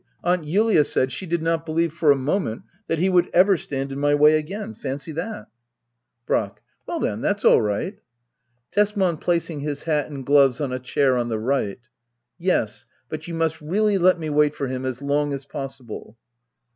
Aunt Julia said she did not believe for a moment that he would ever stand in my way again. Fancy that ! Digitized by Google act ii.] hedda oabler. ss Brack. Well then, that's aU right. Tesman. [Placing his hat and gloves on a chair on the right,'] Yes, but you must really let me wait for him as long as possible.